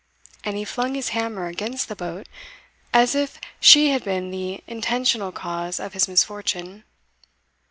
and he flung his hammer against the boat, as if she had been the intentional cause of his misfortune.